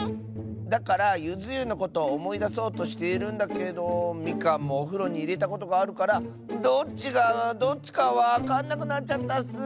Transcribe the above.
だからゆずゆのことをおもいだそうとしているんだけどみかんもおふろにいれたことがあるからどっちがどっちかわかんなくなっちゃったッス。